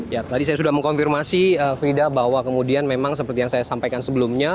ya tadi saya sudah mengkonfirmasi frida bahwa kemudian memang seperti yang saya sampaikan sebelumnya